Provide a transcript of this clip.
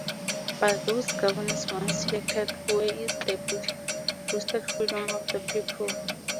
But those governors once selected, where is the boasted freedom of the people?